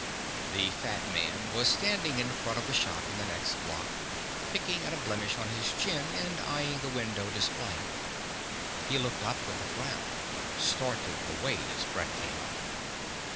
The fat man was standing in front of a shop in the next block, picking at a blemish on his chin and eyeing the window display. He looked up with a frown, started away as Brett came up.